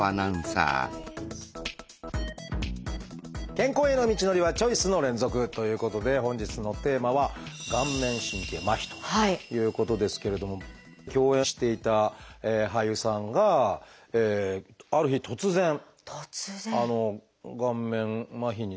健康への道のりはチョイスの連続！ということで本日のテーマは共演していた俳優さんがある日突然顔面麻痺になってみたいなことをおっしゃられて。